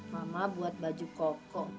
mama buat baju koko